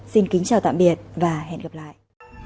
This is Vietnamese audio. xin kính chào tạm biệt và hẹn gặp lại